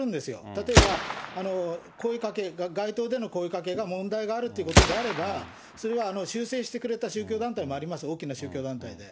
例えば声かけ、街頭での声かけが問題があるということであれば、それは修正してくれた宗教団体もあります、あります、大きな宗教団体で。